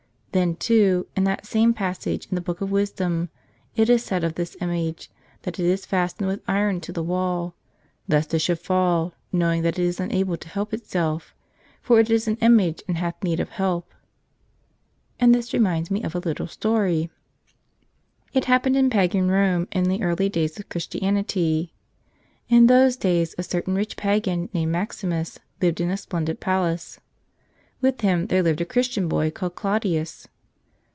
Then, too, in that same passage in the Book of Wisdom, it is said of this image that it is fastened with iron to the wall, "lest it should fall, knowing that it is unable to help itself ; for it is an image and hath need of help." And this reminds me of a little story. It happened in pagan Rome in the early days of Christianity. In those days a certain rich pagan named Maximus lived in a splendid palace. With him there lived a Christian boy called Claudius.